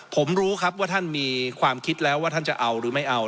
ผมรู้ครับว่าท่านมีความคิดแล้วว่าท่านจะเอาหรือไม่เอา